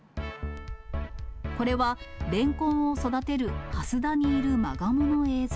これはレンコンを育てるはす田にいるマガモの映像。